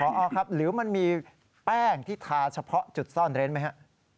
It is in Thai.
พอครับหรือมันมีแป้งที่ทาเฉพาะจุดซ่อนเร้นไหมฮะ